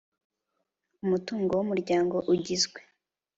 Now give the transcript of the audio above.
Umutungo w umuryango ugizwe